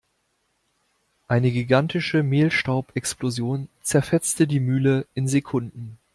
Eine gigantische Mehlstaubexplosion zerfetzte die Mühle in Sekunden.